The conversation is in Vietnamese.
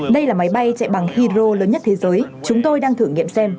đây là máy bay chạy bằng hydro lớn nhất thế giới chúng tôi đang thử nghiệm xem